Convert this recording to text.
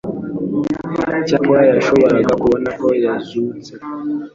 Icyakora bashoboraga kubona ko yazutse.